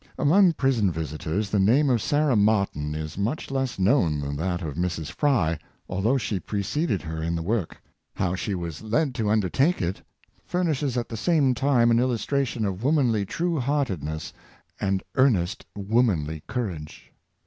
Among prison visitors the name of Sarah Martin is much less known than that of Mrs. Fry, although she preceded her in the work. How she was led to un dertake it, furnishes at the same time an illustration of womanly true heartedness and earnest womanly courage.